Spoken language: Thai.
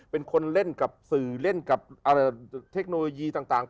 เป็นคนเล่นกับสื่อเล่นกับเทคโนโลยีต่าง